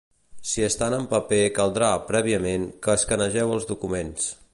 Si estan en paper caldrà, prèviament, que escanegeu els documents.